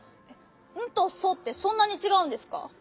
「ン」と「ソ」ってそんなにちがうんですか？